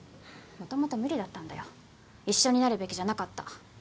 もともと無理だったんだよ一緒になるべきじゃなかった。